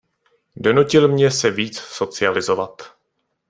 Donutil mě se víc socializovat.